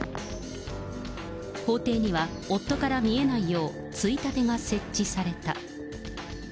法廷には夫から見えないよう、ついたてが設置された。